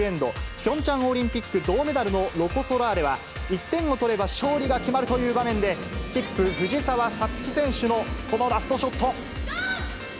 ピョンチャンオリンピック銅メダルのロコ・ソラーレは、１点を取れば勝利が決まるという場面で、スキップ、藤澤五月選手のこのラストショット。